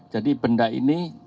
jadi benda ini